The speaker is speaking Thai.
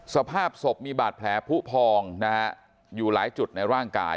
สภาพศพมีบาดแผลผู้พองนะฮะอยู่หลายจุดในร่างกาย